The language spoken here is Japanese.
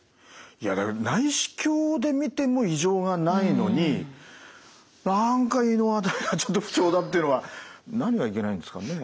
内視鏡で見ても異常がないのに何か胃の辺りがちょっと不調だっていうのは何がいけないんですかね？